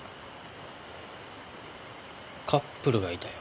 カップルがいたよ。